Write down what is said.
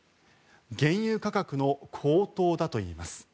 原油価格の高騰だといいます。